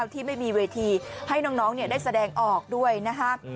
ที่ไม่มีเวทีให้น้องเนี่ยได้แสดงออกด้วยนะฮะ